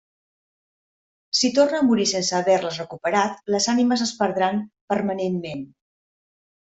Si torna a morir sense haver-les recuperat, les ànimes es perdran permanentment.